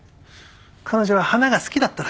彼女は花が好きだったらしい。